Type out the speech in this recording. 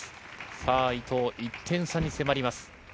さあ、伊藤、１点差に迫ります。